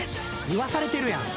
言わされてるやん！